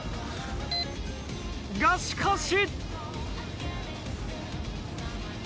がしかし。